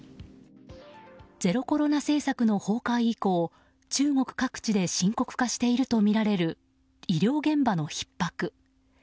ゼロコロナ政策の崩壊以降中国各地で深刻化しているとみられる医療現場のひっ迫。